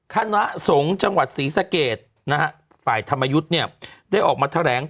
คณะสงฆ์จังหวัดศรีสเกตฝ่ายธรรมยุฒิเนี่ยได้ออกมาแถวแหลง